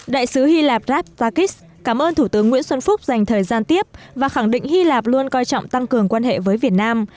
đại sứ hy lạp rafakis cảm ơn thủ tướng nguyễn xuân phúc dành thời gian tiếp và khẳng định hy lạp luôn coi trọng tăng cường quan hệ với việt nam